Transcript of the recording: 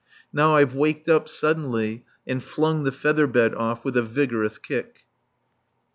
Now I've waked up suddenly and flung the feather bed off with a vigorous kick.